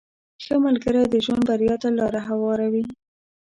• ښه ملګری د ژوند بریا ته لاره هواروي.